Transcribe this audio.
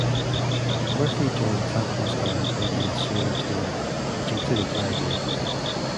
Murphy joined Clapton's band for the ensuing tour, which included Live Aid.